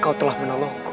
kau telah menolongku